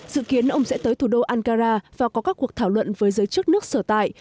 dự kiến ông sẽ tới thủ đô ankara và có các cuộc thảo luận với giới chức nước sở tại